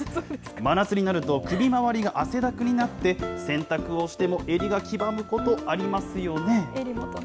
真夏になると首回りが汗だくになって、洗濯をしても襟が黄ばむことありますよね。